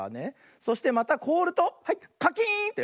そしてまたこおるとはいカキーンってかたまったね。